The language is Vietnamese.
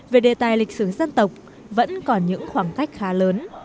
về đề tài lịch sử dân tộc vẫn còn những khoảng cách khá lớn